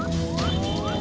jalan tol trans sumatra